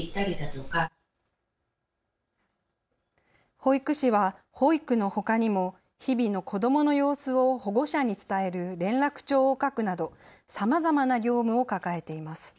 保育士は保育のほかにも日々の子どもの様子を保護者に伝える連絡帳を書くなどさまざまな業務を抱えています。